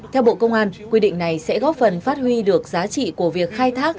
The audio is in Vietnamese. theo bộ công an quy định này sẽ góp phần phát huy được giá trị của việc khai thác